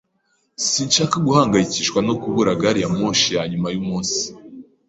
Sinshaka guhangayikishwa no kubura gari ya moshi yanyuma yumunsi.